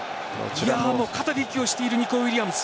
肩で息をしているニコウィリアムズ。